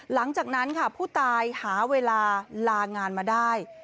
หลังจากนั้นค่ะผู้ตายหาเวลาลางานมาได้